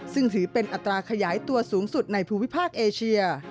ซึ่งถือเป็นอัตราขยายตัวสูงสุดในภูมิภาคเอเชีย